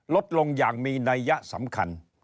ลดลงอย่างมีนัยยะสำคัญ